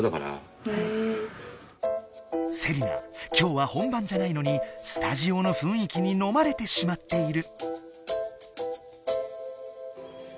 セリナきょうは本番じゃないのにスタジオのふんいきにのまれてしまっている。